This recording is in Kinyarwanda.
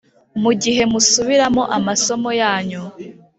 mu gihe musubiramo amasomo yanyu